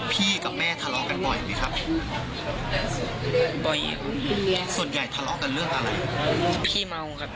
พี่กินเท่าทุกวันไหมครับ